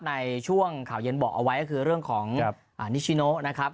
ในช่วงข่าวเย็นบอกเอาไว้ก็คือเรื่องของนิชิโนนะครับ